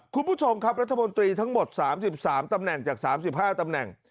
คุณผู้ชมครับรัฐมนตรีทั้งหมด๓๓ตำแหน่งจาก๓๕ตำแหน่ง